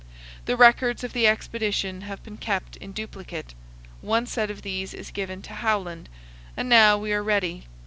The records of the expedition have been kept in duplicate. One set of these is given to Howland; and now we are ready.